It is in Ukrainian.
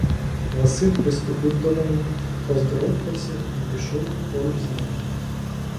Василь приступив до неї, поздоровкався й пішов поруч з нею.